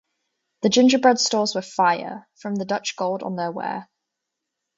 The gingerbread stalls were fine, from the Dutch gold on their ware.